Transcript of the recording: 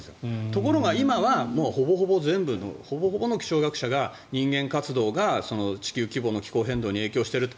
ところが今はほぼほぼの気象学者が人間活動が地球規模の気候変動に影響している。